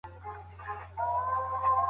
د ټولنيزو ځواکونو مشرتوب د سياست دنده ده.